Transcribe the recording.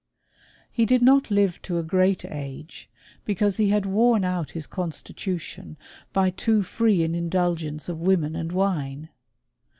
He did not live to a great age, because he had worn out his constitution by too free an indulgence of women and wine.